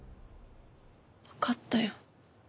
わかったよ。